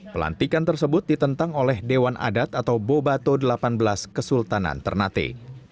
pelantikan tersebut ditentang oleh dewan adat atau bobato delapan belas kesultanan ternate